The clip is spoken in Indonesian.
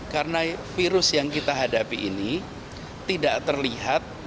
karena virus yang kita hadapi ini tidak terlihat